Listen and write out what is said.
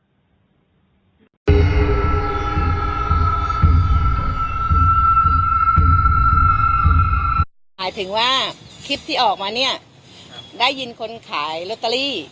หมายถึงว่าคลิปที่ออกมาเนี่ยได้ยินคนขายลอตเตอรี่